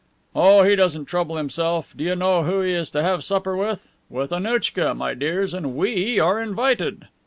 "Oh, he doesn't trouble himself. Do you know who he is to have supper with? With Annouchka, my dears, and we are invited."